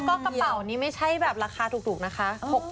ก็กระเป๋านี้ไม่ใช่แบบราคาถูกนะคะ